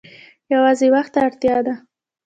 یوازې وخت ته اړتیا ده.